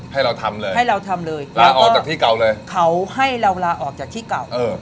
ให้เราทำเลยให้เราทำเลยลาออกจากที่เก่าเลยเขาให้เราลาออกจากที่เก่าเออ